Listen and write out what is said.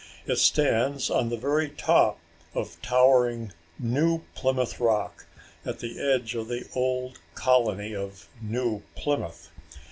It stands on the very top of towering New Plymouth Rock at the edge of the old colony of New Plymouth.